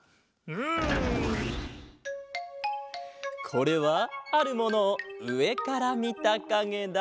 これはあるものをうえからみたかげだ。